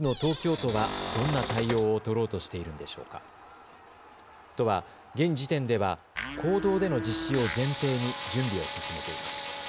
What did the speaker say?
都は、現時点では公道での実施を前提に準備を進めています。